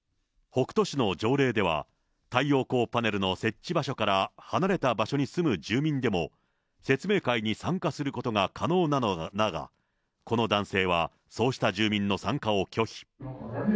北杜市の条例では、太陽光パネルの設置場所から離れた場所に住む住民でも、説明会に参加することが可能なのだが、この男性は、そうした住民の参加を拒否。